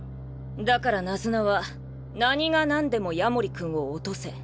だからナズナは何が何でも夜守君を落とせ。